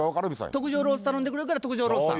特上ロース頼んでくれるから特上ロースさん。